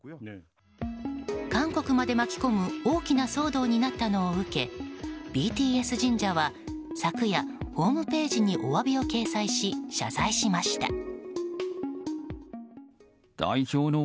韓国まで巻き込む大きな騒動になったのを受けＢＴＳ神社は、昨夜ホームページにお詫びを掲載し謝罪しました。